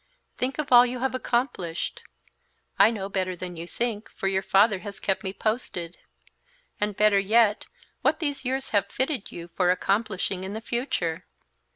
"Think of all you have accomplished, I know better than you think, for your father has kept me posted, and better yet, what these years have fitted you for accomplishing in the future!